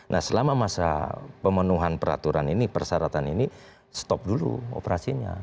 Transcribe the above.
nah selama masa pemenuhan persyaratan ini stop dulu operasinya